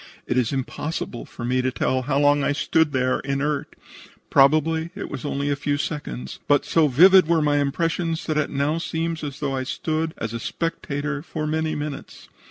It is impossible for me to tell how long I stood there inert. Probably it was only a few seconds, but so vivid were my impressions that it now seems as though I stood as a spectator for many minutes.